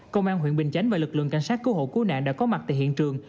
công an huyện bình chánh và lực lượng cảnh sát cứu hộ cứu nạn đã có mặt tại hiện trường